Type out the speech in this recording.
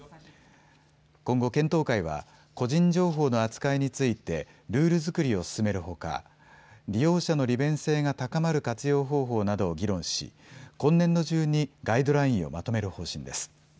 今後、検討会は個人情報の扱いについてルール作りを進めるほか利用者の利便性が高まる活用方法などを議論し、今年度中にガイドラインをまとめる方針です。